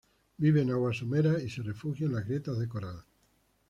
Vive en aguas someras y se refugia en las grietas de coral.